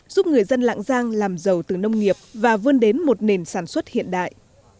giúp người dân lạng giang làm giàu từ nông nghiệp và vươn đến một nền sản xuất hiện đại